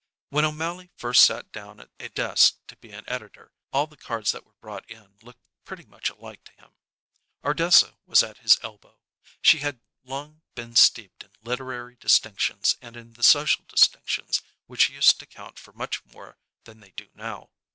When O'Mally first sat down at a desk to be an editor, all the cards that were brought in looked pretty much alike to him. Ardessa was at his elbow. She had long been steeped in literary distinctions and in the social distinctions which used to count for much more than they do now.